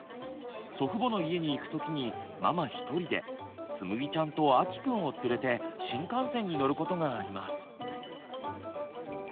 祖父母の家に行く時にママ一人でつむぎちゃんとあきくんを連れて新幹線に乗ることがあります。